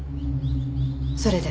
それで？